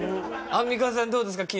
アンミカさんどうですか？